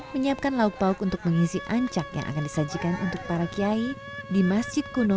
menyiapkan lauk pauk untuk mengisi ancak yang akan disajikan untuk para kiai di masjid kuno